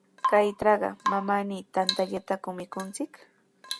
Kaytrawqa manami tantallataku mikunchik.